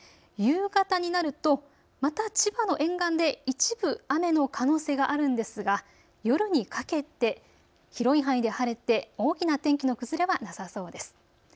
夕方になるとまた千葉の沿岸で一部、雨の可能性があるんですが夜にかけて広い範囲で晴れて大きな天気の崩れはなさそうです。